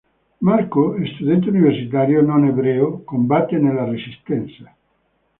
Marco, studente universitario non ebreo, combatte nella Resistenza.